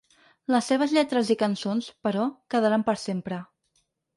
Les seves lletres i cançons, però, quedaran per sempre.